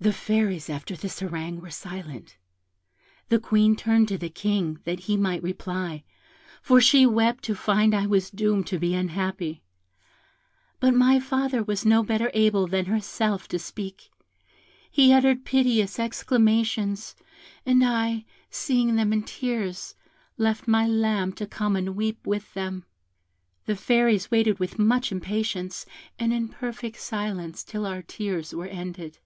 "The Fairies, after this harangue, were silent. The Queen turned to the King that he might reply, for she wept to find I was doomed to be unhappy; but my father was no better able than herself to speak: he uttered piteous exclamations, and I, seeing them in tears, left my lamb to come and weep with them. The Fairies waited with much impatience, and in perfect silence, till our tears were ended.